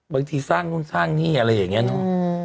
บางทีสร้างนู่นสร้างนี่อะไรอย่างนี้เนอะ